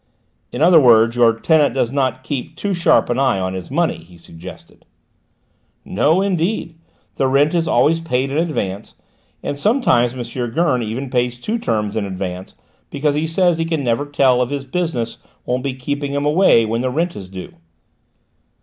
"In other words, your tenant does not keep too sharp an eye on his money?" he suggested. "No, indeed: the rent is always paid in advance, and sometimes M. Gurn even pays two terms in advance because he says he never can tell if his business won't be keeping him away when the rent falls due."